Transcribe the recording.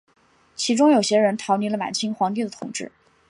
其中有些人逃离了满清皇帝的统治。